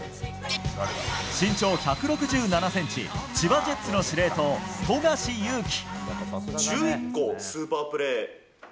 身長１６７ｃｍ千葉ジェッツの司令塔、富樫勇樹。